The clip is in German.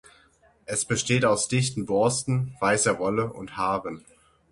Es besteht aus dichten Borsten, weißer Wolle und Haaren.